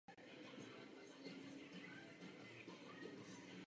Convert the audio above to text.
Všechny druhy mají jed dost silný na zabití dospělého člověka.